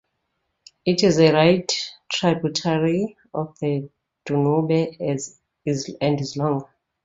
It is a right tributary of the Danube and is long.